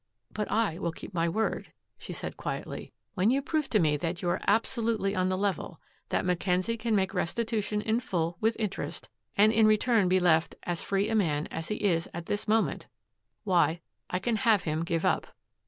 "But I will keep my word," she said quietly. "When you prove to me that you are absolutely on the level, that Mackenzie can make restitution in full with interest, and in return be left as free a man as he is at this moment why, I can have him give up."